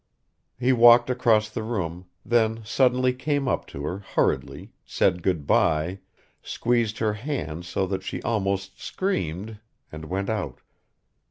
He walked across the room, then suddenly came up to her, hurriedly said "Good by," squeezed her hand so that she almost screamed and went out.